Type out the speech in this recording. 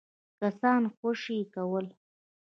کسان خوشي کول.